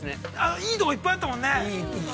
◆いいところいっぱいあったもんね。